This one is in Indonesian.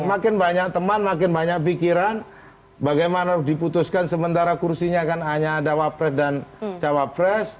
makin banyak teman makin banyak pikiran bagaimana diputuskan sementara kursinya kan hanya ada wapres dan cawapres